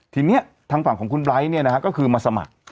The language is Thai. ทีนี้ทางฝั่งของคุณไบร์ทเนี่ยนะฮะก็คือมาสมัคร